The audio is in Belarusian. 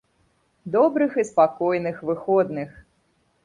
Добрых і спакойных выходных!